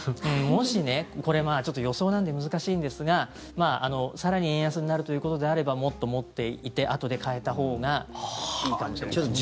もしねこれ予想なんで難しいんですが更に円安になるということであればもっと持っていてあとで替えたほうがいいかもしれませんね。